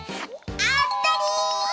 あったり！